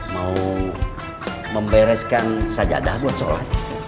mau membereskan sajadah buat seorang atas